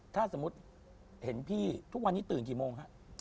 ถ้าสมมุติเห็นพี่ทุกวันนี้ตื่นกี่โมงฮะ